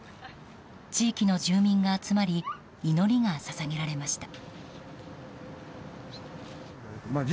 地域の住民が集まり祈りが捧げられました。